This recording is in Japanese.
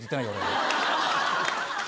俺。